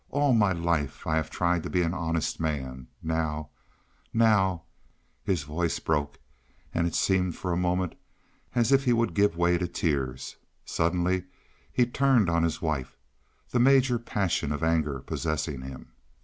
All my life I have tried to be an honest man. Now—now—" His voice broke, and it seemed for a moment as if he would give way to tears. Suddenly he turned on his wife, the major passion of anger possessing him.